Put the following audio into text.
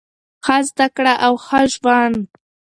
ښه زده کړه او ښه ژوند.